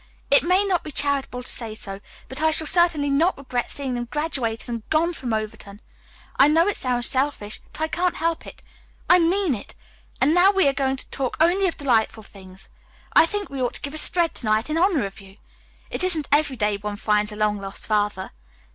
It may not be charitable to say so, but I shall certainly not regret seeing them graduated and gone from Overton. I know it sounds selfish, but I can't help it. I mean it. And now we are going to talk only of delightful things. I think we ought to give a spread to night in honor of you. It isn't every day one finds a long lost father.